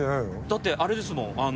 だってあれですもん